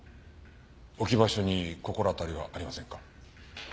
置き場所に心当たりはありませんか？